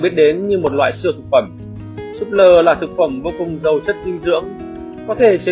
chế biến như một loại sưa thực phẩm súp lơ là thực phẩm vô cùng dầu chất dinh dưỡng có thể chế